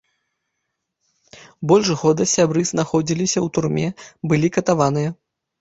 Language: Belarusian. Больш года сябры знаходзіліся ў турме, былі катаваныя.